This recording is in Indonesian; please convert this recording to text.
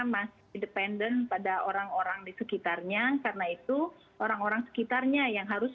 masih independen pada orang orang di sekitarnya karena itu orang orang sekitarnya yang harus